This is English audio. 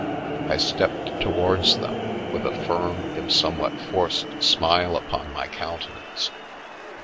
I stepped towards them, with a firm, if somewhat forced smile upon my countenance.